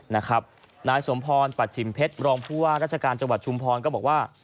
นายสมพรปัชชิมเพชรรองผู้ว่าราชการจังหวัดชุมพรก็บอกว่า